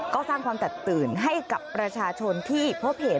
ก็สร้างความแตกตื่นให้กับประชาชนที่พบเห็น